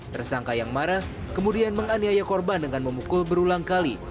tersangka yang marah kemudian menganiaya korban dengan memukul berulang kali